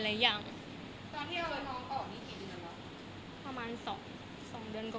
ตอนนั้นคิดกันหลายอย่างเลยหรอ